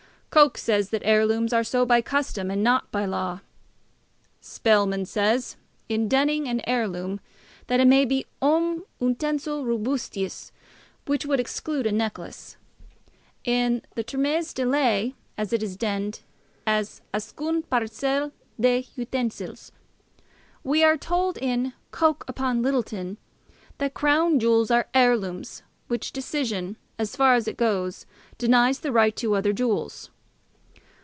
Coke says, that heirlooms are so by custom, and not by law. Spelman says, in defining an heirloom, that it may be "Omne utensil robustius;" which would exclude a necklace. In the "Termes de Ley," it is defined as "Ascun parcel des ustensiles." We are told in "Coke upon Littleton," that Crown jewels are heirlooms, which decision, as far as it goes, denies the right to other jewels.